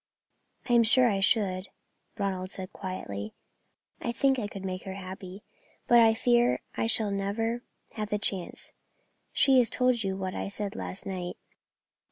"I am sure I should," Ronald said, quietly; "I think I could make her happy, but I fear I shall never have a chance. She has told you what I said last night.